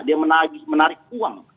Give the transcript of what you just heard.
dia menarik uang